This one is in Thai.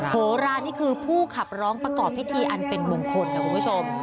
โหรานี่คือผู้ขับร้องประกอบพิธีอันเป็นมงคลนะคุณผู้ชม